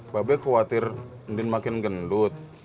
ba be khawatir din makin gendut